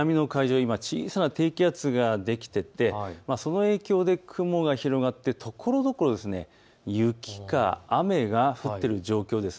今、小さな低気圧ができていてその影響で雲が広がってところどころ、雪か雨が降っている状況です。